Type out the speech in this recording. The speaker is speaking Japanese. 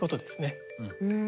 うん。